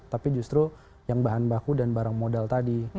tapi justru yang bahan baku dan barang modal tadi